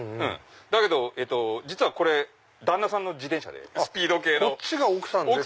だけどこれ旦那さんの自転車スピード系の。